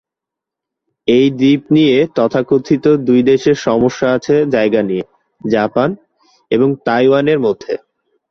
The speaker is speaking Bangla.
এই দ্বীপ নিয়ে তথা কথিত দুই দেশের সমস্যা আছে জায়গা নিয়ে, জাপান এবং তাইওয়ান এর মধ্যে।